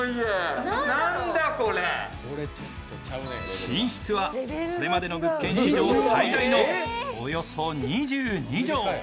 寝室はこれまでの物件史上最大のおよそ２２畳。